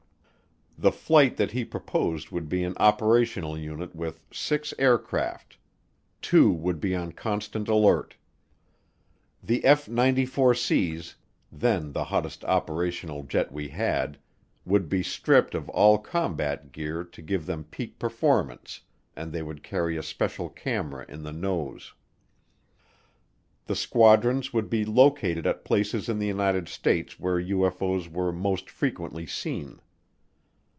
The flight that he proposed would be an operational unit with six aircraft two would be on constant alert. The F 94C's, then the hottest operational jet we had, would be stripped of all combat gear to give them peak performance, and they would carry a special camera in the nose. The squadrons would be located at places in the United States where UFO's were most frequently seen.